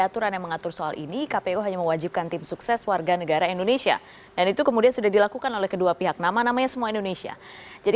terima kasih sudah hadir di sini